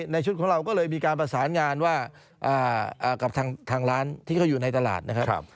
ชุดของเราก็เลยมีการประสานงานว่ากับทางร้านที่เขาอยู่ในตลาดนะครับ